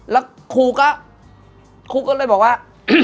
แล้วครูก็ครูก็เลยบอกว่า